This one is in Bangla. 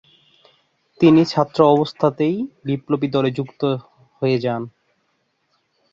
তিনি ছাত্রাবস্থাতেই বিপ্লবী দলে যুক্ত হয়ে যান।